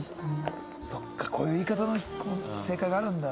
そうかこういう言い方の正解があるんだ。